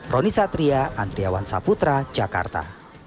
roni satria andriawan saputra jakarta